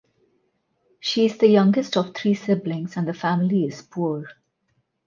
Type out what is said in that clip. She is the youngest of three siblings and the family is poor.